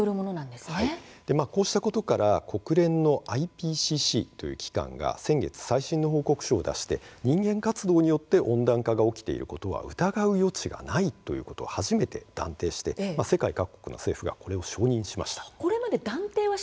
こうしたことから国連のＩＰＣＣという機関が先月、最新の報告書を出して「人間活動によって温暖化が起きていることは疑う余地がない」ということを初めて断定して世界各国の政府がこれを承認しました。